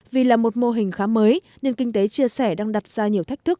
vì là một mô hình khá mới nên kinh tế chia sẻ đang đặt ra nhiều thách thức